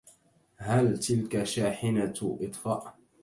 هل تلك شاحنة إطفاء؟